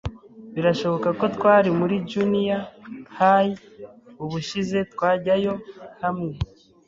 Birashoboka ko twari muri junior high ubushize twajyayo hamwe.